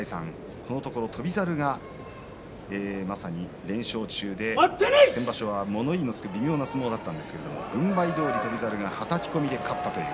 このところ翔猿が連勝中で先場所は物言いのつく微妙な相撲だったんですが軍配どおり翔猿がはたき込みで勝ったという。